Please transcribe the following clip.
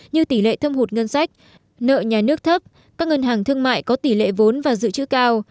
như tỷ lệ thâm hụt ngân sách nợ nhà nước thấp các ngân hàng thương mại có tỷ lệ vốn và dự trữ cao